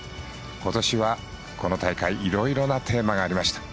今年は、この大会いろいろなテーマがありました。